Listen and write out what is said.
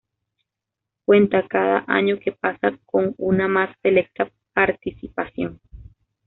Cuenta cada año que pasa con una más selecta participación.